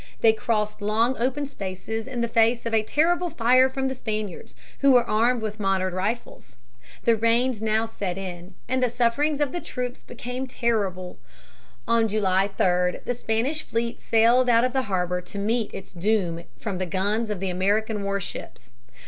They crossed long open spaces in the face of a terrible fire from the Spaniards, who were armed with modern rifles. The rains now set in, and the sufferings of the troops became terrible. On July 3 the Spanish fleet sailed out of the harbor to meet its doom from the guns of the American warships.